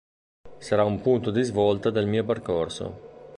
Sarà un punto di svolta del mio percorso.